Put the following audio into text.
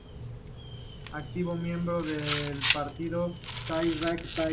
Activo miembro del partido Thai Rak Thai.